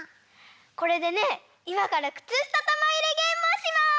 これでねいまからくつしたたまいれゲームをします！